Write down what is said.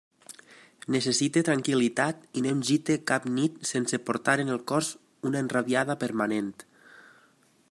Necessite tranquil·litat, i no em gite cap nit sense portar en el cos una enrabiada permanent.